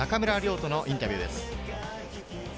土のインタビューです。